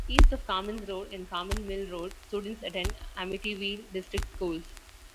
East of Carmans Road and Carman Mill Road, students attend Amityville district schools.